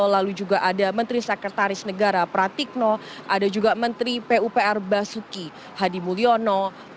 lalu juga ada menteri sekretaris negara pratikno ada juga menteri pupr basuki hadi mulyono